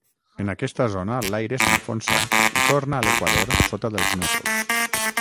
En aquesta zona l'aire s'enfonsa i torna a l'equador sota dels núvols.